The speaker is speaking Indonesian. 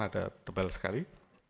ada tebal sekali